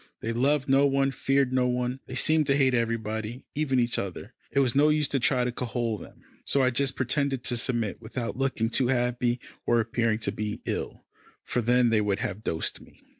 They loved no one, feared no one; they seemed to hate everybody, even each other. It was of no use to try to cajole them, so I just pretended to submit, without looking too happy or appearing to be ill, for then they would have dosed me.